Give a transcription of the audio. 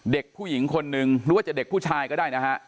เด็กผู้หญิงคนนึงหรือว่าจะเด็กผู้ชายก็ได้นะฮะ